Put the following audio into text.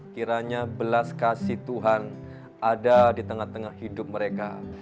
kiranya belas kasih tuhan ada di tengah tengah hidup mereka